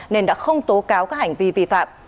nên đã không tố cáo các hành vi vi phạm